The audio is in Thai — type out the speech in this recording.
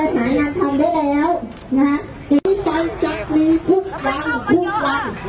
พี่ตังจะมีคุกคังคุกหวัด